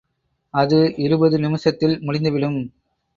அது இருபது நிமிஷத்தில் முடிந்து விடும்.